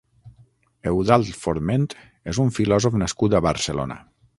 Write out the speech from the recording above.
Eudald Forment és un filòsof nascut a Barcelona.